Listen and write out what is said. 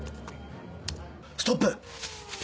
ストップ！